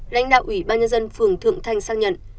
lãnh đạo ủy ban nhân dân phường thượng thanh sang nhận